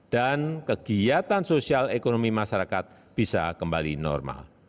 dan kegiatan sosial ekonomi masyarakat bisa kembali normal